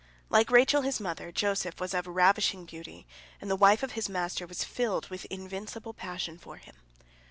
Like Rachel his mother, Joseph was of ravishing beauty, and the wife of his master was filled with invincible passion for him."